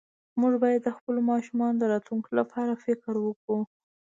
مونږ باید د خپلو ماشومانو د راتلونکي لپاره فکر وکړو